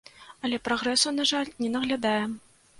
Але прагрэсу, на жаль, не наглядаем.